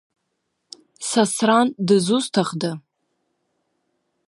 Сасран дызусҭахда?